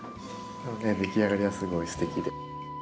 でもね出来上がりがすごいすてきで。